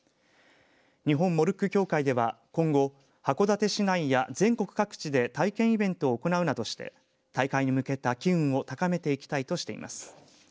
日本モルック協会では今後函館市内や全国各地で体験イベントを行うなどして大会に向けた機運を高めていきたいとしています。